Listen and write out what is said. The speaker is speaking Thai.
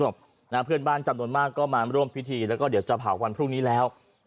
เมื่อกั้นจะเผาวางฟรุ่นนี้แล้ว